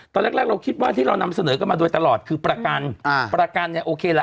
ตอนแรกแรกเราคิดว่าที่เรานำเสนอกันมาโดยตลอดคือประกันอ่าประกันประกันเนี่ยโอเคละ